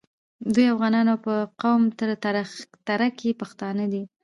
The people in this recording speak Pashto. دوی افغانان او په قوم تره کي پښتانه دي.